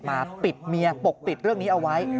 มาปิดเมียปกปิดเรื่องนี้เอาไว้